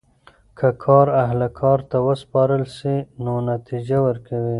که کار اهل کار ته وسپارل سي نو نتیجه ورکوي.